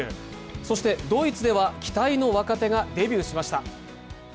そしてドイツでは期待の若手がデビューしました。